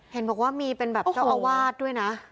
เห็นบอกว่ามีเป็นแบบเจ้าอาวาสด้วยนะ